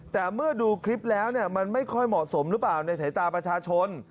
แต่เมื่อดูคลิปแล้วมันไม่ค่อยเหมาะสมหรือเปล่าในสายตาประชาชน